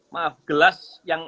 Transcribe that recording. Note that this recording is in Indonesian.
maaf gelas yang